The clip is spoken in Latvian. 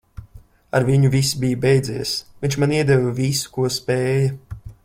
Ar viņu viss bija beidzies. Viņš man iedeva visu, ko spēja.